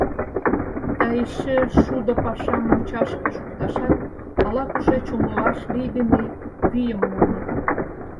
Да эше шудо пашам мучашке шукташат ала-кушеч умылаш лийдыме вийым муыныт.